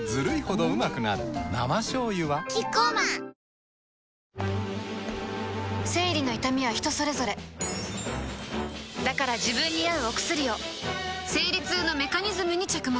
生しょうゆはキッコーマン生理の痛みは人それぞれだから自分に合うお薬を生理痛のメカニズムに着目